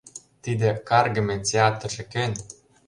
— Тиде каргыме театрже кӧн?